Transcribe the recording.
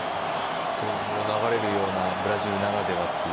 流れるようなブラジルならではという。